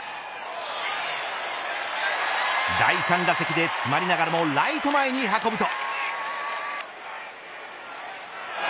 第３打席で詰まりながらもライト前に運ぶと。